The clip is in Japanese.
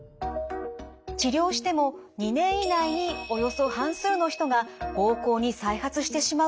治療しても２年以内におよそ半数の人が膀胱に再発してしまうといいます。